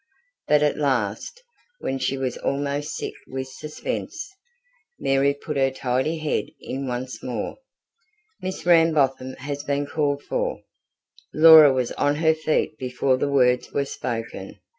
But at last, when she was almost sick with suspense, Mary put her tidy head in once more. "Miss Rambotham has been called for." Laura was on her feet before the words were spoken.